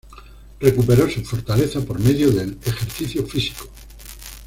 Recuperó su fortaleza por medio del ejercicio físico.